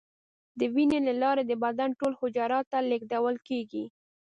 د وینې له لارې د بدن ټولو حجراتو ته لیږدول کېږي.